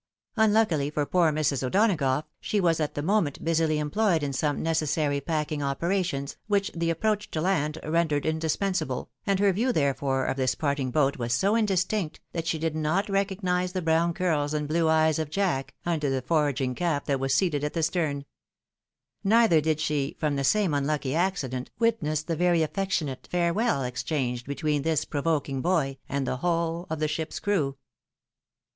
Un luckily for poor Mrs. O'Donagough, she was at the moment busily employed in some necessary packing operations, which the approach to land rendered indispensable, and her view, therefore, of this parting boat was so indistinct, that she did not recognise the brown curls and blue eyes of Jack, under the foraging cap, that was seated at the stem. Neither did she, from the same unlucky accident, witness the very affectionate farewell exchanged between this provoking boy and the whole of the ship's crew.